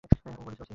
ও বলেছিল ও সিংগেল।